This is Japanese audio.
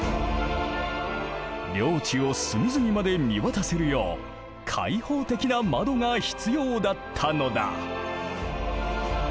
領地を隅々まで見渡せるよう開放的な窓が必要だったのだ。